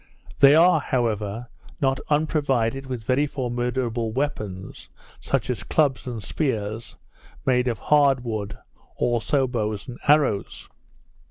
They are, however, not unprovided with very formidable weapons; such as clubs and spears, made of hard wood, also bows and arrows.